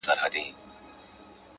ږغ په ورو کوه ربابه